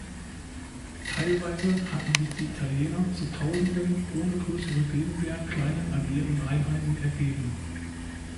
Teilweise hatten sich die Italiener zu Tausenden ohne größere Gegenwehr kleinen alliierten Einheiten ergeben.